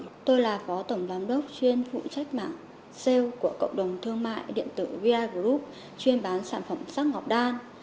chúng ta có tổng đám đốc chuyên phụ trách mạng sale của cộng đồng thương mại điện tử viagroup chuyên bán sản phẩm sắc ngọc đan